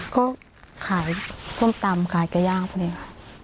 ก็ขายส้มตำขายกระย้างพอดีครับ